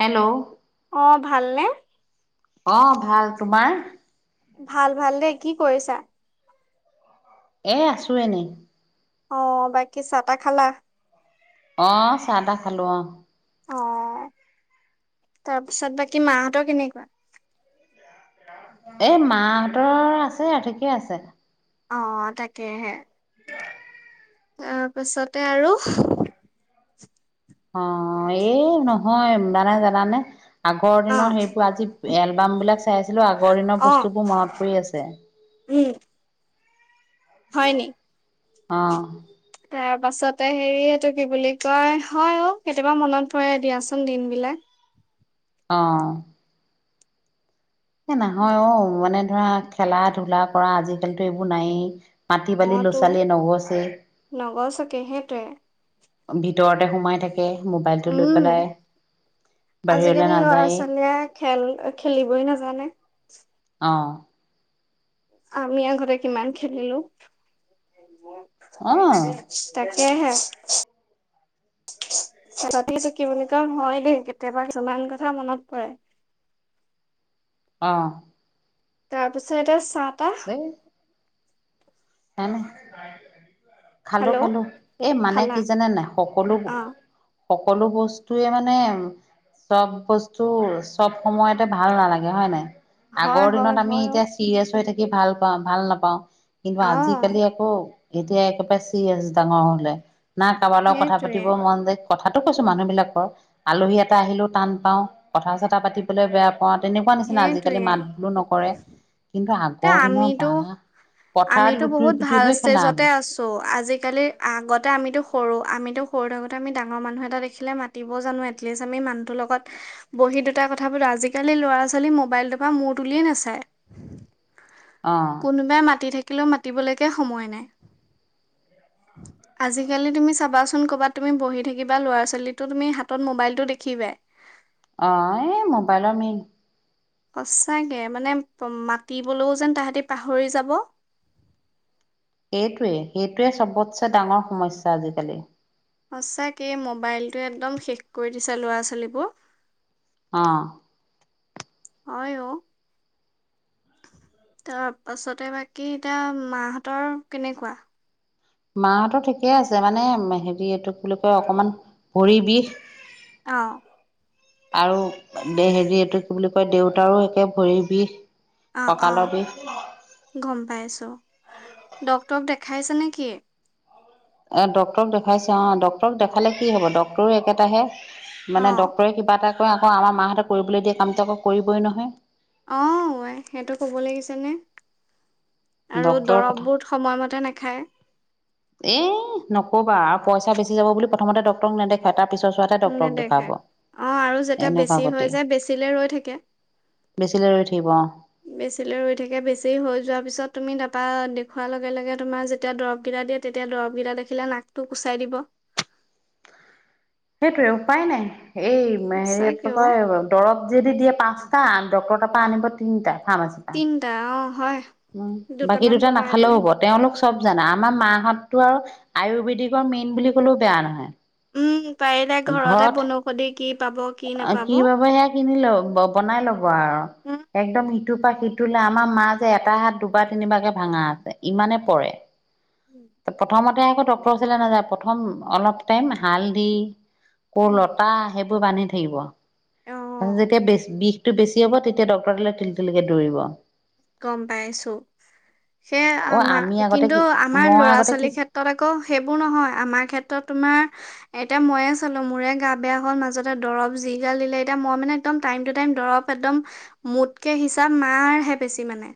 Hello অ ভালনে? অ', ভাল তোমাৰ? ভাল-ভাল দেই কি কৰিছা? এ আছো এনেই। অ', বাকী চাহ-তাহ খালা? অ', চাহ-তাহ খালো অহ। অ', তাৰপিছত বাকী মাহঁতৰ কেনেকুৱা? এ, মাহঁতৰ আছে ঠিকে আছে। অ', তাকেহে। তাৰপাছতে আৰু অ', এই নহয় মানে জানানে? আগৰ অ দিনৰ সেইবোৰ আজি এলবাম বিলাক চাই আছিলো আগৰ দিনৰ অ বস্তুবোৰ মনত পৰি আছে। উম। হয়নি? অহ', তাৰ পাছতে হেৰি এইটো কি বুলি কয় হয় অহ ', কেতিয়াবা মনত পৰে দিয়াচোন দিন বিলাক। অহ', এহ নহয় অহ ', মানে। ধৰা খেলা ধূলা কৰা আজিকালিটো এইবোৰ নায়েই। মাটি বালি অ ল'ৰা তো ছোৱালীয়ে নগছে। নগছকে সেইটোৱে ভিতৰতে সোমাই থাকে। মোবাইলটো লৈ উম', পেলাই বাহিৰলৈ আজিকালি লৰা নাযায়েই ছোৱালীয়ে খেল খেলিবই নাজানে। অহ', আমি আগতে কিমান খেলিলো। অ অ তাকে। এই হে। খেলতি চকি বুলি কওঁ হয় দেই কেতিয়াবা কিছুমান কথা মনত পৰে। অহ', তাৰপিছত এতিয়া চাহ। এটা এহ', খালো খালো এই মানে খালা কি জানে নাই সকলোবোৰ। অ সকলো বস্তুৱে মানে চব বস্তু চব সময়তে ভাল নালাগে হয় নে। হয় আগৰ দিনত হয় আমি হয় অ এতিয়া চিৰিয়েছ হৈ থাকি কি ভাল পাওঁ ভাল নাপাওঁ। কিন্তু অ আজিকালি আকৌ এতিয়া একেবাৰে চি এছ ডাঙৰ হ'লে। না কাবাৰ লগত কথা সেইটোৱে পাতিব মন যায়। কথাটো কৈছো মানুহ বিলাকৰ আলহী এটা আহিলেও টান পাওঁ কথা চথা পাতিবলৈ বেয়া অ', তেনেকুৱা নিচিনা আজিকালি সেইটোৱে মাত বোল নকৰে কিন্তু তে আগৰ দিনৰ আমিতো বাহ আমিতো বহুত ভাল ষ্টেজতে আছো আজিকালি আগতে আমিতো সৰু আমিতো সৰু থাকোতে আমি ডাঙৰ মানুহ এটা দেখিলে মাতিবও জানো এটলিষ্ট আমি মানুহটোৰ লগত বহি দুটা কথা পাতো আজিকালি ল'ৰা-ছোৱালী মোবাইলটোৰ পৰা মূৰ তুলিয়ে নাচায়। অ কোনোবাই মাতি থাকিল মাতিবলৈকে সময় নাই আজিকালি তুমি চাবাচোন কবাত তুমি বহি থাকিবা, ল'ৰা ছোৱালীটো তুমি হাতত মবাইলতটো দেখিবায়েই। অ', এই মোবাইলৰ মেইন। সঁচাগে মানে মাতিবলৈও যেন তাহাঁতে পাহৰি যাব। এইটোৱে এইটোৱে চবতচ্ছে ডাঙৰ সমস্যা আজিকালি। সঁচাকে এই মোবাইলটো একদম শেষ কৰি দিছে ল'ৰা-ছোৱালীবোৰ। অ'। হয় অঔ, তাৰ পাছতে বাকী এতিয়া মাহতৰ কেনেকুৱা? মাহতো ঠিকেই আছে, মানে হেৰি এইটো বুলি কয় অকমান ভৰি বিষ। অ আৰু হেৰি এইটো কি বুলি কয় দেউতাৰো একে ভৰি বিষ। অ', অ', কঁকালৰ বিষ গম পাইছোঁ। ডাক্তৰক দেখাইছে নেকি? অ', ডক্তৰক দেখাইছে অ', ডক্তৰক দেখালে কি হব ডক্তটৰো একেটাহে। অ মানে ডক্তৰে কিবা এটা কোৱা-কোৱা আমাৰ মাহতে কৰিবলৈ দিয়া কামতো আকৌ কৰিবই নহয়। অহ সেইটো ক'ব লাগিছে নে। ডক্তৰৰ কথা, নাখায় এ নকবা পইচা বেছি যাব বুলি প্ৰথতে ডক্তৰক নেদেখুৱাই তাত তাৰপিছত চোৱাতে ডক্তৰক নেদেখায়। দেখাব। অ আৰু যেতিয়া বেছি এনেকুৱা হৈ গতি, যায় বেচিলে ৰৈ বেছিলৈ ৰৈ থাকিব অহ। বেছিলৈ ৰৈ থাকে। বেছি হৈ যোৱাৰ পিছত তুমি তাৰ দেখুৱাৰ লগে-লগে তোমাৰ যেতিয়া দৰবকেইটা দিয়ে তেতিয়া দৰবকেইটা দেখিলে নাকটো কুচাই দিব। সেইটোৱে উপায় নাই। এই হেৰিয় সঁচাকে অ কয় দৰৱ যদি দিয়ে পাঁচটা ডক্তৰ পৰা আনিব তিনিটা। ফাৰ্মাচীৰ পৰা তিনিটা অ'। হয়। উম বাকী দুটামান দুটা কমাই নাখালেও পেলাই হব। তেওঁলোক চব জানা, আমাৰ মাহততটো আৰু আয়ুৰ্বেদিকৰ মেইন বুলি ক'লেও বেয়া নহয়। উম পাৰিলে ঘৰতে ঘৰত বনৌষধি কি পাব, কি নাপাব? কিনিলো বনাই ল ব আৰু উম একদম সিটোৰপা সিটো লে আমাৰ মা যে এটা হাত দুবাৰ তিনিবাকে ভাঙা আছে ইমানে পৰে ত প্ৰথমতে তাই আকৌ ডাক্তৰ ওচৰলৈ নাযায় প্ৰথম অলপ টাইম হাল দি কোৰ উম লতা সেইবোৰ বান্ধি থাকিব অ তাৰিত যেতিয়া বিষটো বেছি হব তেতিয়া ডক্তৰ তালে তিল তিলিকে দৌৰিব গম পাইছো সে অ আমি আমাৰ আগতে কিন্তু কি আমাৰ মই ল'ৰা আগতে কি ছোৱালীৰ ক্ষেত্ৰত আকৌ সেইবোৰ নহয় আমাৰ ক্ষেত্ৰত তোমাৰ এতিয়া ময়ে চলো মোৰে গা বেয়া হ'ল মাজতে দৰৱ যি গাল দিলে এতিয়া মই মানে একদম টাইম টু টাইম দৰৱ একদম মোতকে হিচাপ মাৰ হে বেছি মানে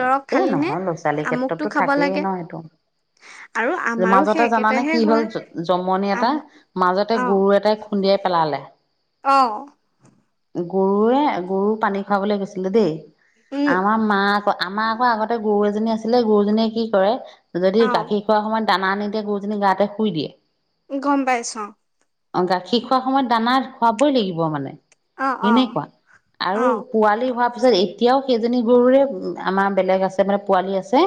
এ নে নহয় ল'ৰা ছোৱালীৰ আমুকটো ক্ষেত্ৰতো খাব থাকেই লাগে ন আৰু সেটো আমাৰো সেই মাজতে জানানে একেটাহে কি হয় হ'ল জমনি আম এটা মাজতে গুৰু এটাই খুন্দিয়াই পেলালে আহ গৰুৱে গৰু পানী খোৱাবলৈ গৈছিলে দেই উম আমাৰ মা আকৌ আমাৰ আকৌ আগতে গৰু এজনী আছি ছিলে গৰুজনীয়ে কি কৰে যদি অ গাখীৰ খোৱা সময়ত দানা নিদিয়ে গৰুজনী গাতে শুই দিয়ে গম পাইছো অ অ গাখীৰ খোৱাৰ সময়ত দানা খুৱাবোই লাগিব মানে অ অ এনেকুৱা অ আৰু পোৱালি হোৱা তাৰপিছত এতিয়াও সেইজনী গৰুৰে আমাৰ বেলেগ আছে মানে পোৱালি আছে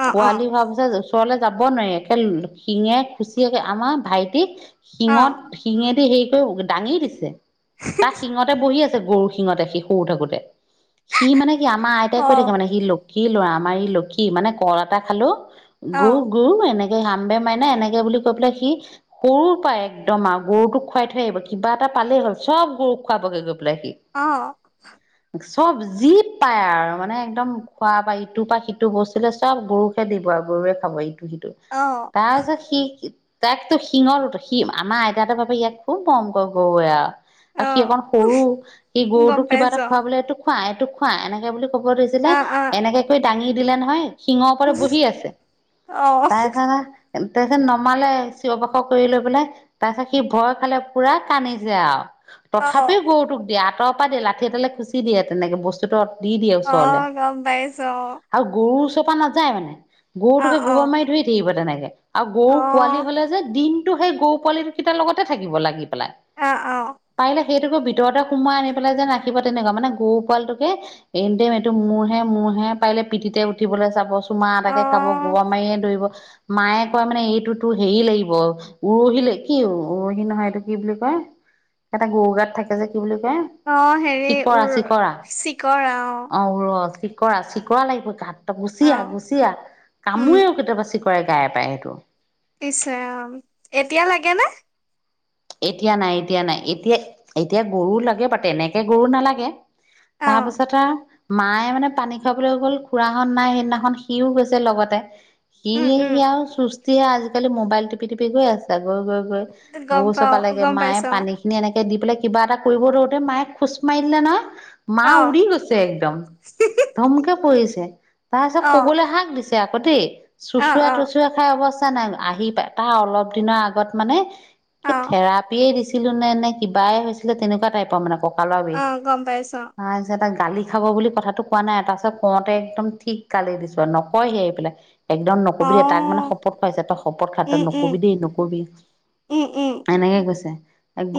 অ অ পোৱালি ভাবছা ওচৰলৈ যাব নোৱাৰি একে শিঙে খুচি একে আমাৰ ভাইটিক অ অ শিঙত শিঙেদি সেই টো দাঙি দিছে তাক শিঙতে বহি আছে গৰু শিঙতে সি সৰু থাকোতে সি মানে কি আমাৰ আইতাই কৈ থাকে মানে সি লক্ষ সি ল'ৰা আমাৰ এই লক্ষী মানে কল এটা খালো অ অ গো গু এনেক হাম বে মাৰে নে এনেকে বুলি কৈ পেলাই সি সৰু পায় একদম আৰু গৰুটোক খুৱাই থৈ আহিব কিবা এটা পালেই হ'ল চব গৰু খোৱাবো গে গৈ পেলাই সি অ চব যি পায় আৰু মানে একদম খোৱা পৰা ইটো পৰা সিটো বস্তুলৈ চব গৰুকে দিব আৰু গৰুৱে খাব ইটো সিটো তাৰ পিছত সি তাইকতো শিঙৰত শিঙ আমাৰ আইতাহঁতে ভাবে ইয়াক খুব মৰম কৰে গৰুৱে আৰু আৰ অ সি সি অকন সৰু সি গম গৰুটো কিবা এটা পাইছো খোৱা বলে এইটো খোৱা টো খোৱা এনেকে বুলি কব ধৰিছিলে আহ আহ এনেকে কৈ দাঙি দিলে নহয় শিঙৰ ওপৰত বহি আছে অ তাৰপিছত আৰ তাৰ পিছত নমালে চিঞবাখৰ কৰিলে বোলে তাৰ পিছত সি ভয় খালে পুৰা কান্ধিছে আৰু অ তথাপিও গৰুটোক দিয়াত আঁতৰৰ পৰা দিয়ে লাঠি এডালে খুচি দিয়ে তেনেকে বস্তুটো দি দিয়ে ওচৰলে অ' গম পাইছো আৰু গৰু ওচৰৰ পৰা নাযায় মানে অ গৰুটোকে অ গোবা মাৰি ধৰি থাকিব তেনেকৈ [inaudible] আৰু অ গৰু পোৱালি হ'লে যে দিন কিন্তু সেই গৰু পোৱালি কেইটা লগতে থাকিব লাগি পেলাই। অঁ' অঁ' পাৰিলে সেইটোকে ভিতৰতে সুমুৱাই আনি পেলাই যেন ৰাখিব তেনেকুৱা মানে, গৰু পোৱালটোকে এনিটাইম এইটো মোৰহে মোৰহে, পাৰিলে পিঠিতে উঠিবলৈ চাব, চুমা অ অ এটাকে খাব গৌপা মাৰিয়ে ধৰিব, মায়ে কয় মানে এইটোতো হেৰি লাগিব, উৰহি কি উৰহি নহয় এইটো কি বুলি কয় এটা গৰু গাত থাকে যে কি বুলি কয় অঁ' হেৰি চিকৰা উৰ চিকৰা চিকৰা অঁ' অ ৰ চিকৰা চিকৰা লাগিবই গাত গুচিআঁহ গুচিআঁহ উম কামোৰেও কেতিয়াবা চিকৰাই গাই টায়ে এইটো। পিছে অঁ এতিয়া লাগে ন? এতিয়া নাই এতিয়া নাই এতিয়া এতিয়া গৰু লাগে পাতে তেনেকে গৰু নালাগে। অ তাৰ পাছত আৰু মায়ে মানে পানী খুৱাবলৈ গ'ল, খুৰাহ'ত নাই সেইদিনাখন সিওঁ গৈছে লগতে সি উম ই উম আৰু সুস্থ তিয়া আজিকালি মবাইল টিপি টিপি গৈ আছে। গৈগৈগৈ গম ত পাও পালাগে, গম মায়ে পাইছো পানী খিনি এনেকে দি পেলাই কিবা এটা কৰিব ধৰোতে মায়ে খোছ মাৰি দিলে নয় মা অ উৰি গৈছে একদম, ধমকে পৰিছে, [unintelligible] তাৰপিছত অ কবলৈ হাক দিছে। য়াকতে অ চোচোৰা অ টোচোৰা খাই অৱস্থা অঁ' নাই নাই আহি পায়, টাৰ অলপ দিনৰ আগত মানে কি অ থেৰাপিয়েই দিছে দিলোনে নে কিবাই হৈছিলে তেনেকুৱা টাইপৰ মানে, ক কালৰ বিষ অ গম পাইছো গালি খাব বুলি কথাটো কোৱা নাই তাৰপাছত কওঁতে একদম ঠিক গালি দিছো নকয়হি আহি পেলাই। একদম অ নকবি দিয়ে তাক মানে শপত খুৱাইছে তই শপত খা উম উম নকবি দেই নকবি। উম উম এনেকে কৈছে,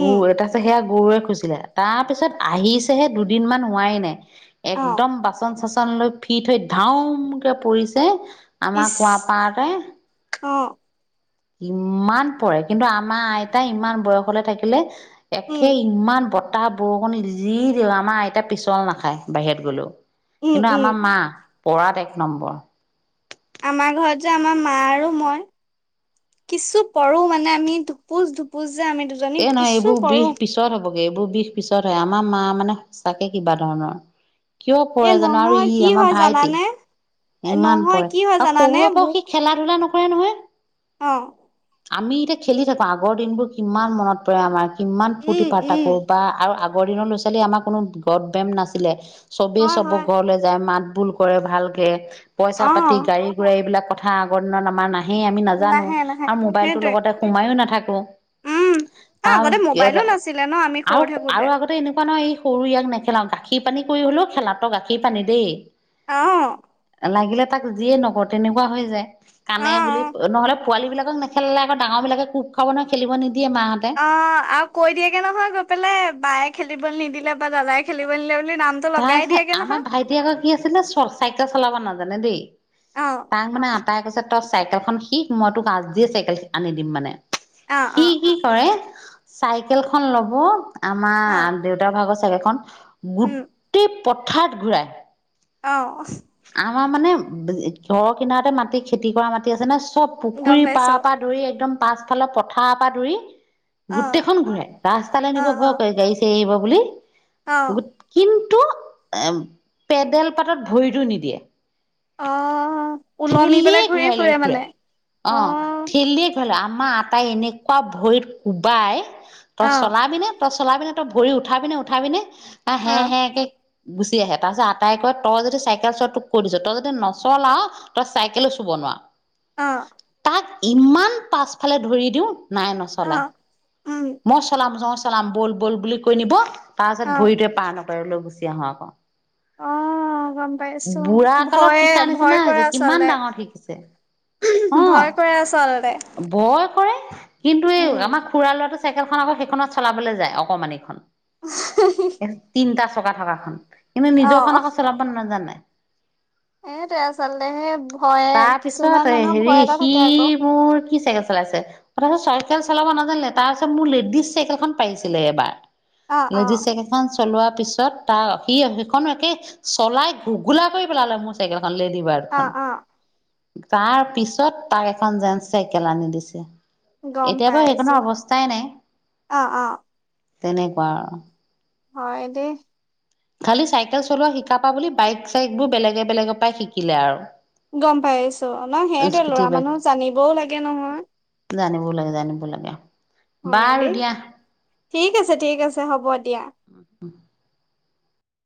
গু এটা আছে সেয়া গৰুৱে খুছিলে তাৰপিছত আহিছেহে দুদিনমান হোৱাই নাই অ একদম বাচন-চাচন খন লৈ ফিত হৈ ধাউমকে পৰিছে আমাৰ কুঁৱা পাৰতে অঁ ইমান পৰে কিন্তু আমাৰ আইতাই ইমান বয়সলে থাকিলে একে উম ইমান বত বতাহ বৰষুণ যি দিয়ক আমাৰ আইতা পিচল নাখায় বাহিৰত গলেও। উম কিন্তু উম আমাৰ মা পৰাত এক নম্বৰ। আমাৰ ঘৰত যে আমাৰ মা আৰু মই, কিছু পৰো মানে আমি ধুপুচ ধুপুচ। যে আমি দুজনী এই নহয় কিছু এইবোৰ বিষ পৰো। পিছত হ'বগে এইবোৰ বিষ পিছত হয় আমাৰ মা মানে সঁচাকে কিবা ধৰণৰ কিয় এ পৰে জানো আৰু নহয় ই কি আমাৰ হয় ভাইটি। জানানে ইমান নহয় পৰে কি হয় আৰু জানানে সৰুৰে পৰাও সি খেলা-ধূলা নকৰে। কৰে নহয়। অঁ আমি এতিয়া খেলি থাকো আগৰ দিনবোৰ কিমান মনত পৰে আমাৰ কিমান ফূৰ্তি উম ফাৰ্তা উম কৰো বা আৰু আগ আগৰ দিনৰ ল'ৰা ছোৱালী আমাৰ কোনো গপ ভেম নাছিলে চবেই হয় চবৰ হয় ঘৰলৈ যায় মাত বোল কৰে ভালকে অ পইচা-পাতি গাড়ী-গোড়া এইবিলাকক কথা আগৰ দিনত আমাৰ নাই। নাহেই আমি নাজানো নাহে নাহে আৰু মোবাইলটো সেইটোৱে লগতে সোমাইয়ো নাথাকো অ উম আগতে মোবাইলো নাছিলে ন আমি সৰু থাকোতে ন ই সৰু ইয়াক নেখেলাও গাখীৰ পানী কৰি হ'লেও খেলা গাখীৰ পানী দেই অ', লাগিলে তাক যিয়ে নকওঁ, তেনেকুৱা হৈ যায়। অ কানে বুলি অ নহলে, পোৱালিবিলাকক নেখেলালে আকৌ ডাঙৰবিলাক কোব খাব নহয়, খেলিব নিদি, অ', আৰু কৈ দিয়েগে নহয় গৈ পেলে, বায়ে খেলিবলৈ নিদিলে বা দাদাই খেলিব নিদিলে বো, তাৰপিছত আমাৰ ভাইটি আকৌ কি আছিলে চাইকেল চলাব নাজান, নে দেই। অ তাক মানে, তাই কৈছে, তই চাইকেলখন শিক মই তোক আজিয়েই চাইকেল আনি দিম মানে। অ অ সি, কি কৰে, চাইকেল খন লব, অ আমাৰ দেউতাৰ ভাগত, - চাইকেল খন, - গুঠ, - গোটেই পথাৰত ঘূৰাই। অহ ', আমাৰ মানে ঘৰৰ কিনাৰতে মাটি- খেতি কৰা মাটি আছে ন', চব গম পুখুৰীৰ পাইছো পাৰৰ - পৰা ধৰি একদম, পাছফালৰ পথাৰ পৰা ধৰি, অ গোটেইখন ঘূৰে ৰাস্তালৈ নিব ভয় কৰে গাড়ী চাৰি আহিব বুলি, বুলি, অহ্, কিন্তু এ ', পেডেল পাতত ভৰিটো নিদিয়ে। অহ ', ঠেলিয়ে ঘূৰাই লৈ ফুৰে। অ ', ঠেলিয়ে ঘূৰাই ল, আমাৰ আতাই এনেকুৱা ভৰিত কোবাই, তই অ', চলাবিনে? তই চলাবিনে, তই ভৰি উঠাবি নে উঠাবি নে? আহ -হে অ', -হে - কে, গুচি আহে, তাৰ পিছত আতাই কয়, তই যদি চাইকেল চোৱা তোক কৈ দিছোঁ তই যদি নচলা, তই চাইকেলো চুব নোৱা, অ, ' ইমান পাছফালে ধৰি দিওঁ, নাই নচলাই। অ', উম, মই চলাম চলাম বল বল বুলি কৈ নিব তাৰপাছত অ', ভৰিটোৱে পা ন পথাৰলৈ গুচি আহে আকৌ অ গম পাইছো বুঢ়া কালত ভয়ে শিকা নিচিনা ভয় কৰে হৈছে কিমান আচলতে ডাঙৰত শিকিছে অ। ভয় কৰে আচলতে ভয় কৰে কিন্তু এই উম, আমাৰ খুৰা ল'ৰাটো চাইকেলখন আকৌ সেইখনত চলাবলৈ যায় অকমান এইখন তিনিটা থকা থকাখন কানে নিজৰখন আকৌ চলাব নয় জানা। এইটে আচলতে সেই ভয়ে তাৰপিছত কিছুমান মানুহ হেৰি ভয় এটা সি থাকে আকৌ। মোৰ কি চাইকেল চলাইছে তাপা চাইকেল চলাব নাজানিলে তাৰিছ মোৰ লেডিজ চাইকেলখন পাৰিছিলে এবাৰ। অ', লেডিজ অ', চাইকেল খন চলোৱাৰ পিছত তাৰ সি সেইখন একে চলাই ঘুঘোলা কৰি পেলালে মোৰ চাইকেল খন লেড অ', বখন। অ', তাৰ পিছত তাক এখন জেন্চ চাইকেল আনি দিছে। গম এতিয়া বাৰু পাইছো সেইখনৰ অৱস্থা অ', অ। তেনেকুৱা আৰু। হয় দে। খালি চাইকেল চলোৱা শিকা পা বুলি বাইক চাইক বোৰ বেলেগে বেলেগৰ পৰাই শিকিলে আৰু। গম পাইছো ন সেইয়টো স্কুটি ল'ৰা মানুহ জানিবও লাগে নহয়। জানে বুল লাগে জানে বুল লাগে। হয় বাৰু দেই দিয়া ঠিক আছে ঠিক আছে হ'ব দিয়া। উম।